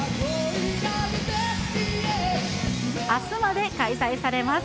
あすまで開催されます。